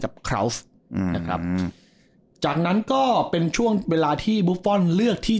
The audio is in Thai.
คราวส์อืมนะครับจากนั้นก็เป็นช่วงเวลาที่บุฟฟอลเลือกที่